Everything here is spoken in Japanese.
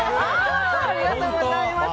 ありがとうございます！